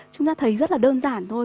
chúng ta thấy rất là đơn giản thôi